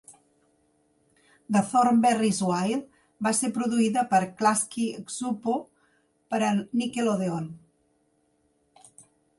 "The Thornberrys Wild" va ser produïda per Klasky Csupo per a Nickelodeon.